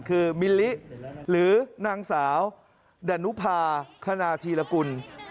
คือมิลลิหรือนางสาวดานุภาคณาธีรกุล